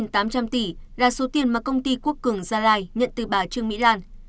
tám trăm linh tỷ là số tiền mà công ty quốc cường gia rai nhận từ bà trương mỹ lan